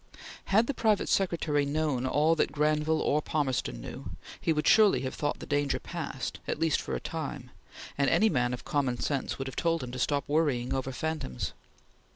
Had the private secretary known all that Granville or Palmerston knew, he would surely have thought the danger past, at least for a time, and any man of common sense would have told him to stop worrying over phantoms.